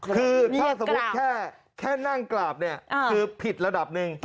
คือถ้าสมมุติแค่นั่งกราบเนี่ยคือผิดระดับหนึ่ง